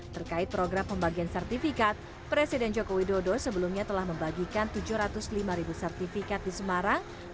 terkait program pembagian sertifikat presiden joko widodo sebelumnya telah membagikan tujuh ratus lima sertifikat di semarang